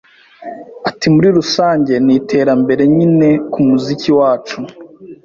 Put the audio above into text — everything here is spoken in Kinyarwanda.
Ati Muri rusange ni iterambere nyine ku muziki wacu.